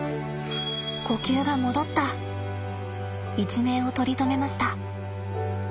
一命を取り留めました。